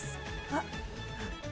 あっ！